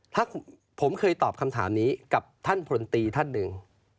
ถ้าผมเคยตอบคำถามนี้กับท่านพลตรีท่านหนึ่ง